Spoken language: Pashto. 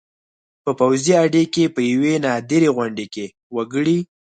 په پوځي اډې کې په یوې نادرې غونډې کې وکړې